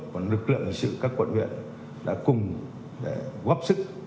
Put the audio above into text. còn lực lượng hình sự các quận huyện đã cùng góp sức